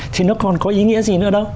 thì nó còn có ý nghĩa gì nữa đâu